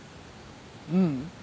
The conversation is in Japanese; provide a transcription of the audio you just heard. ううん。